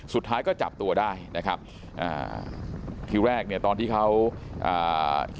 สุดท้ายก็จับตัวได้นะครับอ่าทีแรกเนี่ยตอนที่เขาอ่า